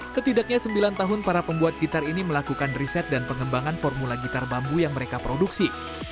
setidaknya sembilan tahun para pembuat gitar ini melakukan riset dan pengembangan formula gitar bambu yang mereka produksi